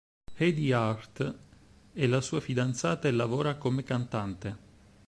Edie Hart è la sua fidanzata e lavora come cantante.